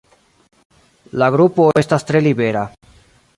La grupo estas tre libera.